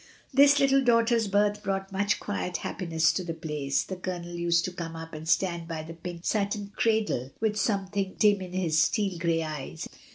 This little daughter's birth brought much quiet happiness to the Place. The Colonel used to come up and stand by the pink satin cradle with some , thing dim in his steel grey eyes.